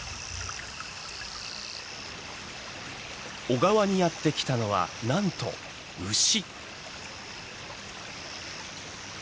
小川にやって来たのはなんと牛。